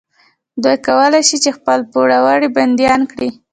دوی کولی شول چې خپل پوروړي بندیان کړي.